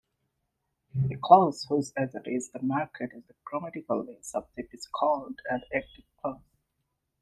A clause whose agent is marked as grammatical subject is called an active clause.